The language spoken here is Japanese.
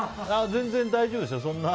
全然大丈夫ですよ。